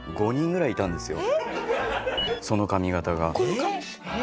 その髪形が。えっ！？